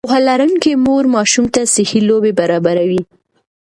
پوهه لرونکې مور ماشوم ته صحي لوبې برابروي.